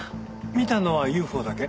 見たのはＵＦＯだけ？